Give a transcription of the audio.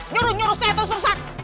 nyuruh nyuruh saya terus rusak